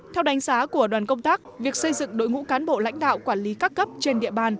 theo đánh giá của đoàn công tác việc xây dựng đội ngũ cán bộ lãnh đạo quản lý các cấp trên địa bàn